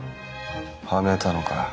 はめたのか。